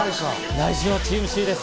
来週はチームＣです。